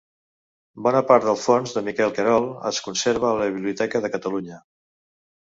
Bona part del fons de Miquel Querol es conserva a la Biblioteca de Catalunya.